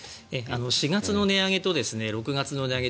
４月の値上げと６月の値上げ